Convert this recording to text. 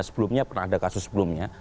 sebelumnya pernah ada kasus sebelumnya